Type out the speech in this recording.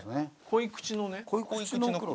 濃い口の黒。